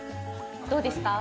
どうですか？